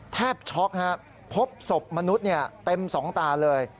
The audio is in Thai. ช็อกพบศพมนุษย์เต็มสองตาเลย